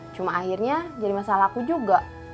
cuma akhirnya jadi masalah aku juga